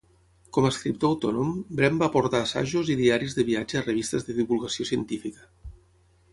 Com a escriptor autònom, Brehm va aportar assajos i diaris de viatge a revistes de divulgació científica.